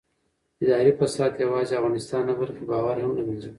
اداري فساد یوازې اقتصاد نه بلکې باور هم له منځه وړي